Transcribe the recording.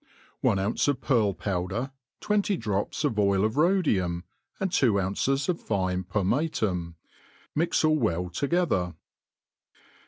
ONE ^wice of pearl powder, twenty drops of oil of Rho« dium, and two ounces of fine pomatum \ mix all welt toge ther.